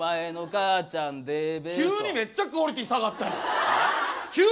急にめっちゃクオリティー下がったやん。